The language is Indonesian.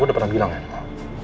udah pernah bilang ya